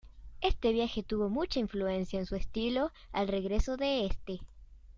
Este viaje tuvo mucha influencia en su estilo al regreso de este.